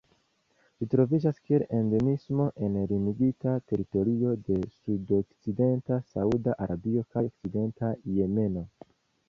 Ĝi troviĝas kiel endemismo en limigita teritorio de sudokcidenta Sauda Arabio kaj okcidenta Jemeno.